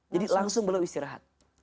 jadi langsung beliau istirahat